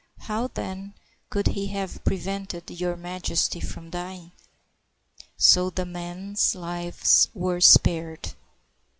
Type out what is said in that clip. How, then, could he have prevented Your Majesty from dying?" So the men's lives were spared.